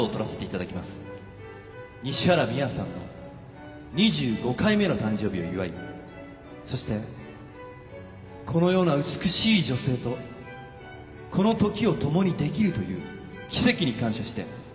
西原美羽さんの２５回目の誕生日を祝いそしてこのような美しい女性とこのときを共にできるという奇跡に感謝して。